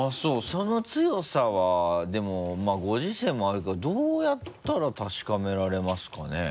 その強さはでもまぁご時世もあるからどうやったら確かめられますかね？